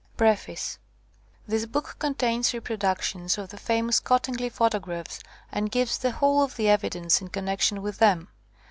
PREFACE This book contains reproductions of the famous Cottingley photographs, and gives the whole of the evidence in connection with them.